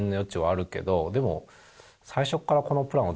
でも。